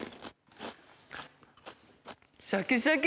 シャキシャキ！